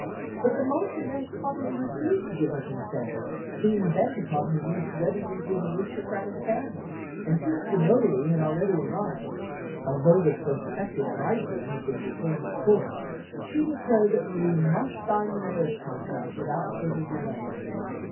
But the Marchioness haughtily refused to give her consent, being bent upon her niece wedding into an aristocratic family; and since the notary had already arrived (although the prospective bridegroom had been detained at Court), she declared that Marie must sign the marriage contract without further delay.